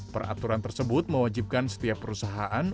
peraturan tersebut mewajibkan setiap perusahaan